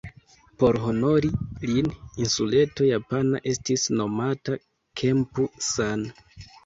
Por honori lin, insuleto japana estis nomata Kempu-san.